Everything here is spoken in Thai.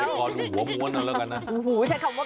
อุหูช่วยคำว่ากรอ